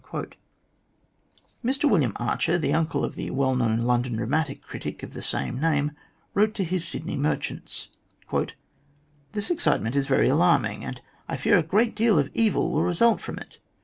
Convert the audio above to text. Mr William Archer, the uncle of the now well known London dramatic critic of the same name, wrote to his Sydney merchants :" This excitement is very alarming, and I fear a great deal of evil will result from it.